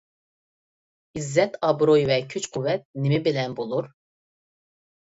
ئىززەت-ئابرۇي ۋە كۈچ-قۇۋۋەت نېمە بىلەن بولۇر؟